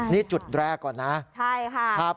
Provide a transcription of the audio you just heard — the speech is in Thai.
นี่จุดแรกก่อนนะครับใช่ค่ะ